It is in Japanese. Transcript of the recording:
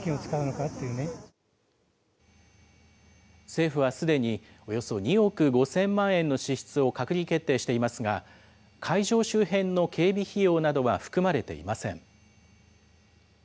政府はすでに、およそ２億５０００万円の支出を閣議決定していますが、会場周辺の警備費用などは含まれていません。